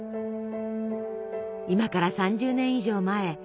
今から３０年以上前。